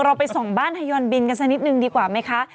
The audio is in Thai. ไปส่องบ้านฮายอนบินกันสักนิดนึงดีกว่าไหมคะ